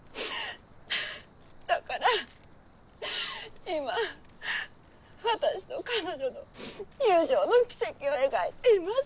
うっだから今私と彼女の友情の軌跡を描いています。